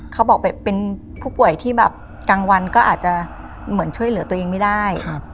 เขาบอกแบบเป็นผู้ป่วยที่แบบกลางวันก็อาจจะเหมือนช่วยเหลือตัวเองไม่ได้